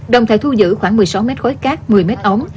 đồng thời thu giữ khoảng một mươi sáu mét khối cát một mươi mét ống